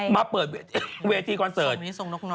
มาเปิดเวทีคอนเสิร์ต